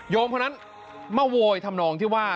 โยมเพราะนั้นมาโวยทำนองที่ว่า